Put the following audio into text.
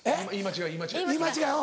言い間違い。